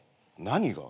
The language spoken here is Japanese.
何が？